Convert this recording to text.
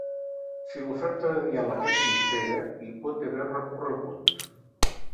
Si l’oferta de diàleg és sincera, hi pot haver recorregut.